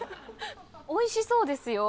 おいしそうですよ？